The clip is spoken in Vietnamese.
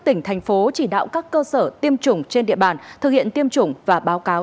tỉnh thành phố chỉ đạo các cơ sở tiêm chủng trên địa bàn thực hiện tiêm chủng và báo cáo